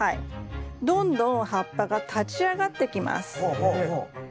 どんどん葉っぱが立ち上がってきます。